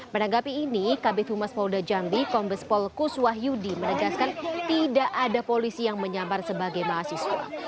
menanggapi ini kabupaten humas polda jambi pombespol kuswah yudi menegaskan tidak ada polisi yang menyamar sebagai mahasiswa